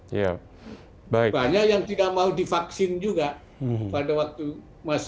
banyak yang tidak mau divaksin banyak yang tidak mau divaksin banyak yang tidak mau divaksin